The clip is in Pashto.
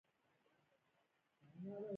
دا پروسه موږ په لاندې ساده فورمول کې ښودلی شو